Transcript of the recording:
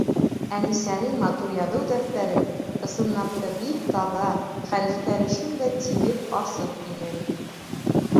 Әнисәнең матур яҙыу дәфтәре, ысынлап та, бик таҙа, хәрефтәре шундай тигеҙ, асыҡ ине.